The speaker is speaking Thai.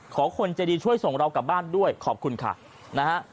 ขอคนใจดีช่วยส่งเรากลับบ้านด้วยขอบคุณค่ะนะฮะ